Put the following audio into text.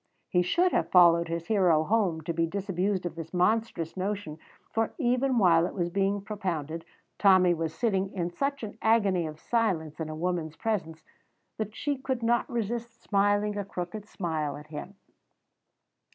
He should have followed his hero home to be disabused of this monstrous notion, for even while it was being propounded Tommy was sitting in such an agony of silence in a woman's presence that she could not resist smiling a crooked smile at him.